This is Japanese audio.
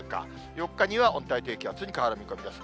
４日には温帯低気圧に変わる見込みです。